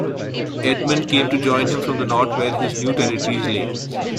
Edmund came to join him from the North, where his new territories lay.